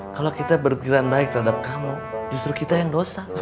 kalau kita berpikiran baik terhadap kamu justru kita yang dosa